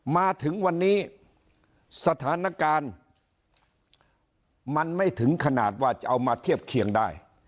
มาถึงวันนี้สถานการณ์มันไม่ถึงขนาดว่าจะเอามาเทียบเคียงได้